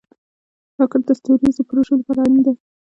راکټ د ستوریزو پروژو لپاره اړین دی